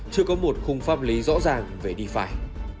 chưa có một khung pháp lý rõ ràng về defi